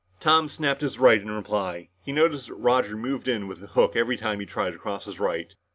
Tom snapped his right in reply. He noticed that Roger moved in with a hook every time he tried to cross his right.